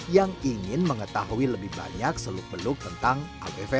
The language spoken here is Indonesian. yang ingin mengetahui lebih banyak seluk beluk tentang agvan